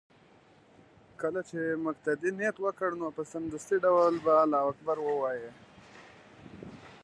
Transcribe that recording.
كله چې مقتدي نيت وكړ نو په سمدستي ډول به الله اكبر ووايي